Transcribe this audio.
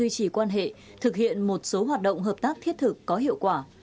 chỉ quan hệ thực hiện một số hoạt động hợp tác thiết thực có hiệu quả